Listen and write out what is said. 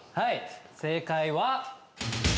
正解は。